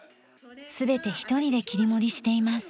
全て一人で切り盛りしています。